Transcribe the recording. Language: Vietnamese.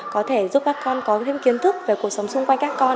có thể giúp các con có thêm kiến thức về cuộc sống xung quanh các con